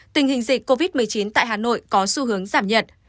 tình hình dịch covid một mươi chín tại hà nội có xu hướng giảm nhiệt